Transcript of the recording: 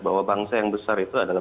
bahwa bangsa yang besar itu adalah